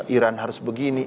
iran harus begini